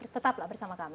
tetaplah bersama kami